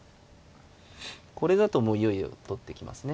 これだともういよいよ取ってきますね。